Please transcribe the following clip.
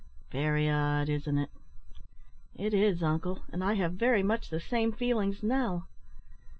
Very odd, isn't it?" "It is, uncle; and I have very much the same feelings now."